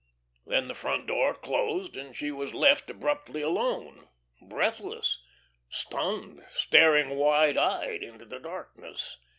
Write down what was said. Then the front door closed, and she was left abruptly alone, breathless, stunned, staring wide eyed into the darkness.